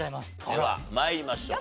では参りましょう。